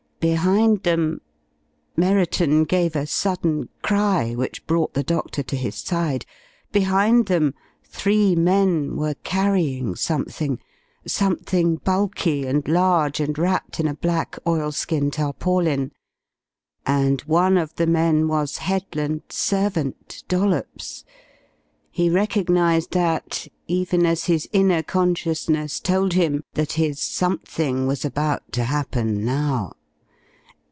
Behind them Merriton gave a sudden cry which brought the doctor to his side behind them three men were carrying something something bulky and large and wrapped in a black oilskin tarpaulin. And one of the men was Headland's servant, Dollops! He recognized that, even as his inner consciousness told him that his "something" was about to happen now.